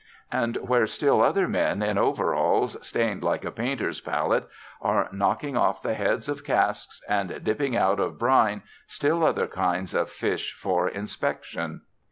And where still other men, in overalls stained like a painter's palette, are knocking off the heads of casks and dipping out of brine still other kinds of fish for inspection.